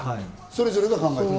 それぞれが考える？